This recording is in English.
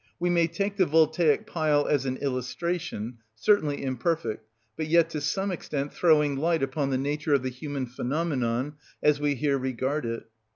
We may take the voltaic pile as an illustration, certainly imperfect, but yet to some extent throwing light upon the nature of the human phenomenon, as we here regard it.